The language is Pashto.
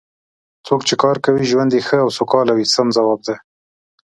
څوک چې کار کوي ژوند یې ښه او سوکاله وي سم ځواب دی.